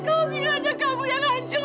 kamu pikir hanya kamu yang hancur